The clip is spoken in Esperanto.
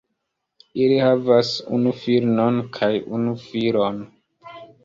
Ili havas unu filinon kaj unu filon.